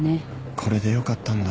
これでよかったんだ。